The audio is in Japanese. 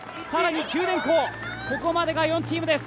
更に九電工、ここまでが４チームです。